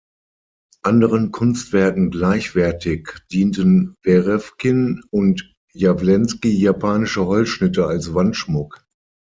Anderen Kunstwerken gleichwertig, dienten Werefkin und Jawlensky japanische Holzschnitte als Wandschmuck.